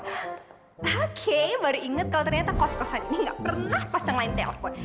oke baru inget kalau ternyata kos kosan ini gak pernah pasang lain telfon